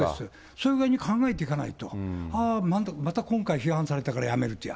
そういう具合に考えていかないと、あー、また今回、批判されたから辞めるじゃ。